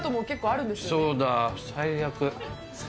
そうだ、最悪。